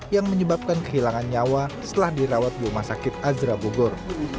yang menyebabkan kehilangan nyawa setelah dirawat di rumah sakit azra bogor